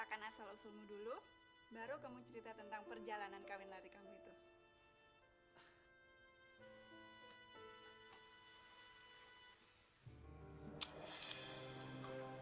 masalah usulmu dulu baru kamu cerita tentang perjalanan kawin latih kamu itu